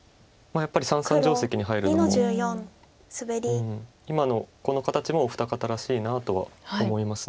やっぱり三々定石に入るのも今のこの形もお二方らしいなとは思います。